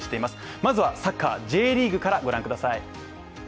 まずは、サッカーＪリーグからご覧ください。